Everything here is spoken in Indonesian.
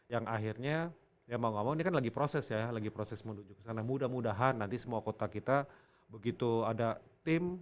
yang akhirnya ya mau gak mau ini kan lagi proses ya lagi proses menuju ke sana mudah mudahan nanti semua kota kita begitu ada tim